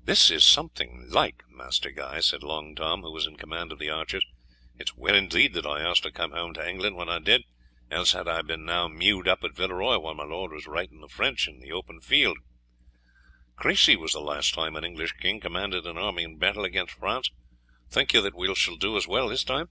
"This is something like, Master Guy," said Long Tom, who was in command of the archers. "It was well indeed that I asked to come home to England when I did, else had I been now mewed up at Villeroy while my lord was fighting the French in the open field. Crecy was the last time an English king commanded an army in battle against France; think you that we shall do as well this time?"